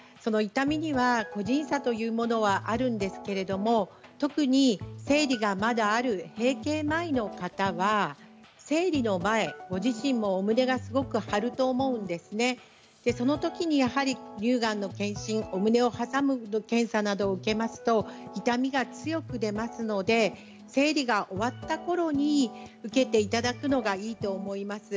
痛みには個人差というものはあるんですけれども特に生理がまだある閉経前の方は生理の前、ご自身もお胸が張ると思うんですけれどそのときにやはり乳がんの検診、お胸を挟む検査など受けますと痛みが強く出ますので生理が終わったころに受けていただくのがいいと思います。